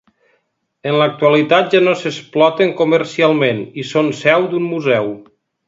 En l'actualitat ja no s'exploten comercialment i són seu d'un museu.